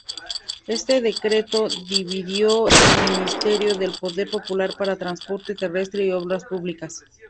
Este decreto dividió el Ministerio del Poder Popular para Transporte Terrestre y Obras Públicas.